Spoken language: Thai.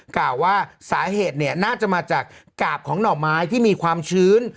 กล่าวว่าสาเหตุเนี่ยน่าจะมาจากกาบของหน่อไม้ที่มีความชื้น